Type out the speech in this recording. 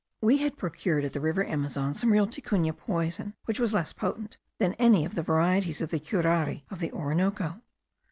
We had procured at the river Amazon some real Ticuna poison which was less potent than any of the varieties of the curare of the Orinoco.